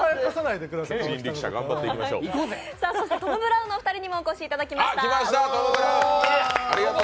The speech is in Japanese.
トム・ブラウンのお二人にもお越しいただきました。